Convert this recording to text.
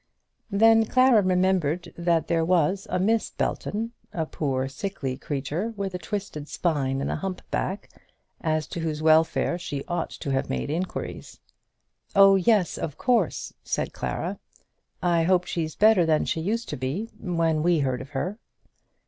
Then Clara remembered that there was a Miss Belton, a poor sickly creature, with a twisted spine and a hump back, as to whose welfare she ought to have made inquiries. "Oh, yes; of course," said Clara. "I hope she's better than she used to be, when we heard of her."